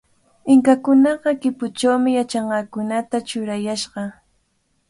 Inkakunaqa kipuchawmi yachanqakunata churayashqa.